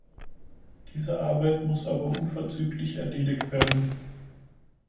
Diese Arbeit muss aber unverzüglich erledigt werden.